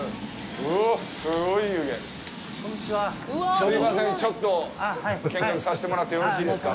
すみません、ちょっと見学させてもらってよろしいですか。